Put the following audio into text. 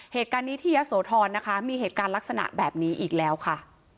เหตุการณ์นี้ที่ยะโสธรนะคะมีเหตุการณ์ลักษณะแบบนี้อีกแล้วค่ะ